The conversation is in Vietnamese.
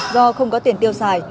do không có tiền tiêu xài